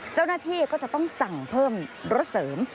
เจ้าหน้าที่ก็จะต้องสั่งเพิ่มรถเสริม